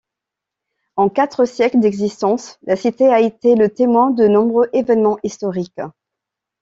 En quatre siècles d'existence, la cité a été le témoin de nombreux événements historiques.